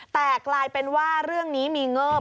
แต่กลายเป็นว่าเรื่องนี้มีเงิบ